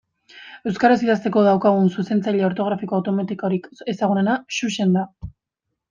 Euskaraz idazteko daukagun zuzentzaile ortografiko automatikorik ezagunena Xuxen da.